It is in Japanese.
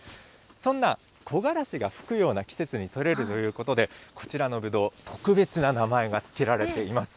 そんなこがらしが吹くような季節に取れるということで、こちらのぶどう、特別な名前が付けられています。